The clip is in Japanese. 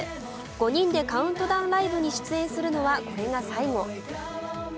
５人でカウントダウンライブに出演するのはこれが最後。